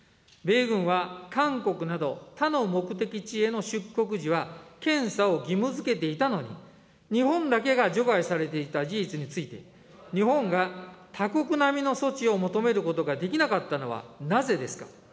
米軍は韓国など、他の目的地への出国時は検査を義務づけていたのに、日本だけが除外されていた事実について、日本が他国並みの措置を求めることができなかったのはなぜですか。